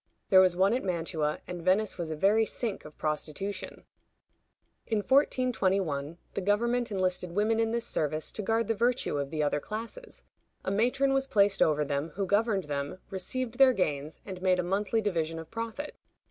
There was one at Mantua, and Venice was a very sink of prostitution. In 1421, the government enlisted women in this service to guard the virtue of the other classes. A matron was placed over them, who governed them, received their gains, and made a monthly division of profit.